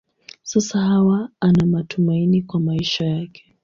Sasa Hawa ana matumaini kwa maisha yake.